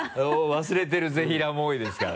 忘れてるぜひらーも多いですから。